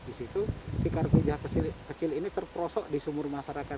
di situ si karpija kecil ini terprosok di sumur masyarakat